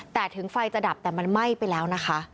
แต่ถึงไฟจะดับแต่มันไหม้ไปแล้วนะคะ